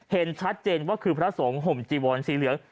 เห็นชัดเจนว่าคือพระสงฆ์ห่มจีวอนสีเหลือง